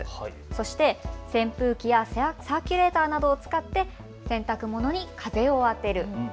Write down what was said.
そして扇風機やサーキュレーターなどを使って洗濯物に風を当てる。